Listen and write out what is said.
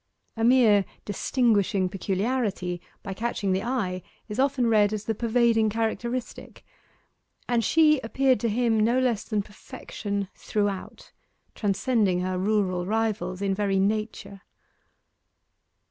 A mere distinguishing peculiarity, by catching the eye, is often read as the pervading characteristic, and she appeared to him no less than perfection throughout transcending her rural rivals in very nature.